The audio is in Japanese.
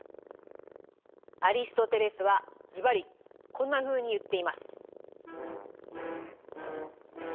アリストテレスはズバリこんなふうに言っています。